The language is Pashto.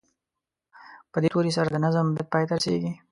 په دې توري سره د نظم بیت پای ته رسیږي.